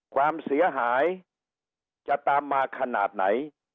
ความเสียหายจะตามมาขนาดไหน